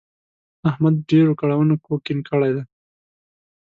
احمد ډېرو کړاوونو کوږ کیڼ کړی دی.